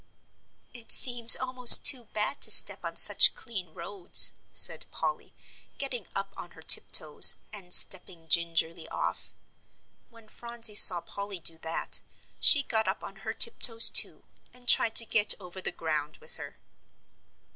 "It seems almost too bad to step on such clean roads," said Polly, getting up on her tiptoes, and stepping gingerly off. When Phronsie saw Polly do that, she got up on her tiptoes too, and tried to get over the ground with her.